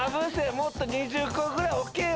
もっと２０個ぐらい置けよ！